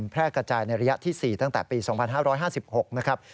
แพร่กระจายในระยะที่๔ตั้งแต่ปี๒๕๕๖นะครับ